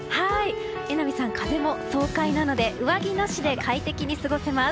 榎並さん、風も爽快なので上着なしで快適に過ごせます。